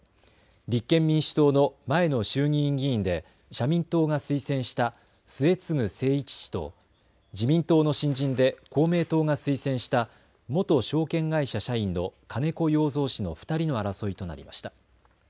立憲民主党の前の衆議院議員で社民党が推薦した末次精一氏と自民党の新人で公明党が推薦した元証券会社社員の金子容三氏の２人の争いとなりました。